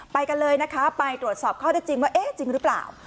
ไปกันเลยนะคะไปตรวจสอบข้อได้จริงว่าเอ๊ะจริงหรือเปล่า